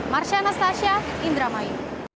marsha anastasia indramayu